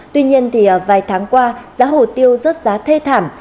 tuy nhiên vài tháng qua giá hồ tiêu rớt giá thê thảm